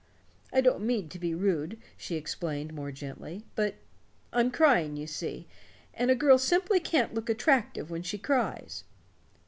"I don't mean to be rude," she explained more gently, "but I'm crying, you see, and a girl simply can't look attractive when she cries."